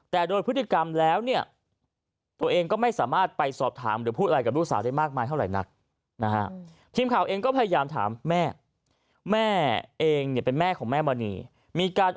แต่โดยพฤติกรรมแล้วเนี่ยตัวเองก็ไม่สามารถไปสอบถามหรือพูดอะไรกับลูกสาวได้มากมายเท่าไหร่นักนะฮะทีมข่าวเองก็พยายามถามแม่แม่เองเนี่ยเป็นแม่ของแม่มณีมีการ